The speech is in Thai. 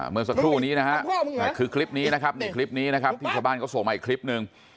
เมื่อสักครู่นี้นะครับคลิปนี้นะครับนี้ครับจ้าบ้านก็ส่งไว้อีกลิปนึง